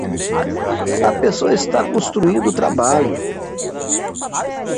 A pessoa está construindo o trabalho.